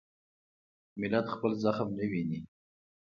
ملت خپل زخم نه ویني.